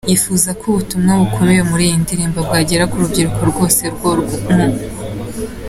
yifuza ko ubutumwa bukubiye muri iyi ndirimbo bwagera ku rubyiruko rwose rwo mu.